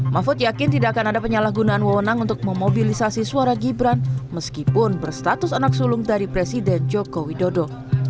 mahfud yakin tidak akan ada penyalahgunaan wewenang untuk memobilisasi suara gibran meskipun berstatus anak sulung dari presiden joko widodo